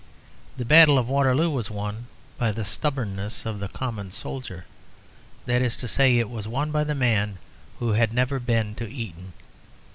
The Battle of Waterloo was won by the stubbornness of the common soldier that is to say, it was won by the man who had never been to Eton.